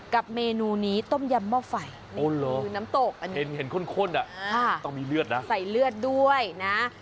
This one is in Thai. เมนูนี้ต้มยำหม้อไฟคือน้ำตกอันนี้เห็นข้นต้องมีเลือดนะใส่เลือดด้วยนะ